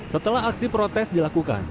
setelah aksi protes dilakukan